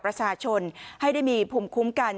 ประชาชนให้ได้มีภูมิคุ้มกัน